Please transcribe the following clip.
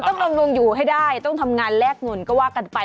ต้องลงอยู่ให้ได้ต้องทำงานแลกเงินก็ว่ากันไป